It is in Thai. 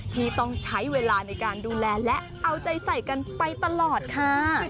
ที่ต้องใช้เวลาในการดูแลและเอาใจใส่กันไปตลอดค่ะ